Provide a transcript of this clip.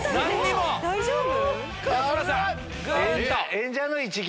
大丈夫？